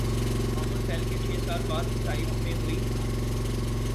عام الفیل کے چھ سال بعد طائف میں ہوئی